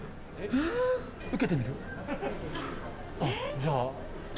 じゃあ。